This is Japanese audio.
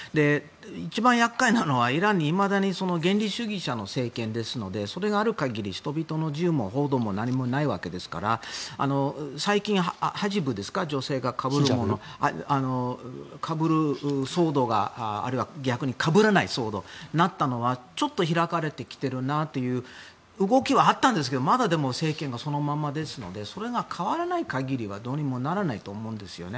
一番厄介なのはイラン、いまだに原理主義者の政権ですのでそれがある限り人々の自由も報道も何もないわけですから最近、ヒジャブですか女性がかぶる騒動があれは逆にかぶらない騒動なったのはちょっと開かれてきているなという動きはあったんですがまだ政権がそのままですのでそれが代わらない限りはどうにもならないと思うんですよね。